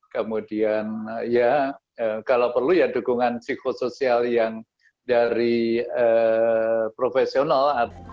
kemudian ya kalau perlu ya dukungan psikosoial yang dari profesional